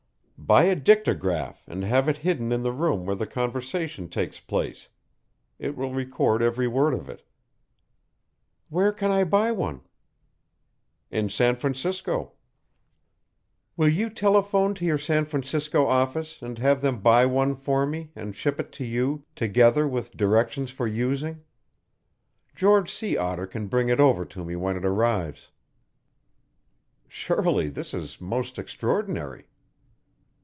"Buy a dictograph and have it hidden in the room where the conversation takes place. It will record every word of it." "Where can I buy one?" "In San Francisco." "Will you telephone to your San Francisco office and have them buy one for me and ship it to you, together with directions for using. George Sea Otter can bring it over to me when it arrives." "Shirley, this is most extraordinary."